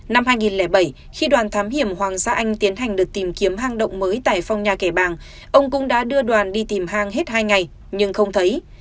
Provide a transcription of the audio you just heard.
năm hai nghìn bảy khi đoàn thám hiểm hoàng gia anh tiến hành đợt tìm kiếm hang động mới tại phong nhà kẻ bàng ông cũng đã đưa đoàn đi tìm hang hết hai ngày nhưng không thấy